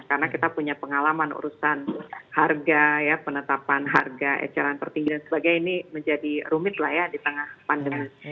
karena kita punya pengalaman urusan harga ya penetapan harga eceran tertinggi dan sebagainya ini menjadi rumit lah ya di tengah pandemi